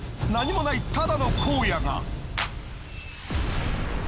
何もないただの荒野が。